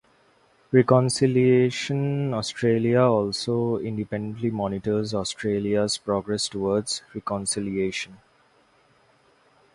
Reconciliation Australia also independently monitors Australia's progress towards reconciliation.